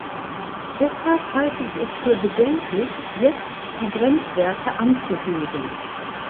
Deshalb halte ich es für bedenklich, jetzt die Grenzwerte anzuheben.